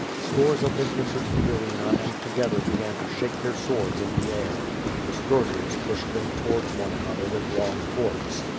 Scores of them entered the arena and together began to shake their swords in the air. The scourgers pushed them towards one another with long forks.